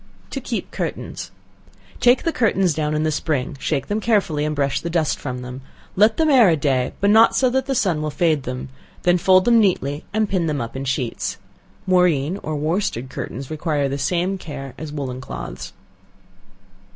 To Keep Curtains. Take the curtains down in the spring, shake them carefully and brush the dust from them; let them air a day, but not so that the sun will fade them; then fold them neatly, and pin them up in sheets. Moreen or worsted curtains require the same care as woollen cloths.